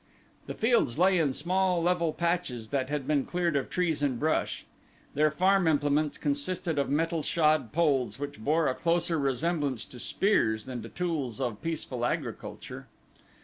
The fields lay in small level patches that had been cleared of trees and brush. Their farm implements consisted of metal shod poles which bore a closer resemblance to spears than to tools of peaceful agriculture.